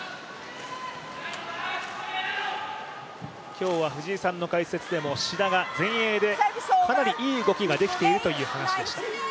今日は藤井さんの解説でも、志田が前衛でかなりいい動きができているという話でした。